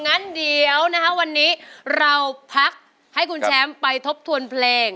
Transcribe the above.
งั้นเดี๋ยวนะคะวันนี้เราพักให้คุณแชมป์ไปทบทวนเพลง